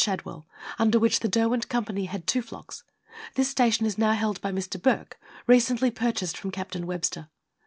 Shadwell, under which the Derwent Company had two flocks. This station is now held by Mr. Burke (recently purchased from Captain Webster).